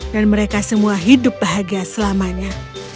dan mereka semua hidup bahagia selamanya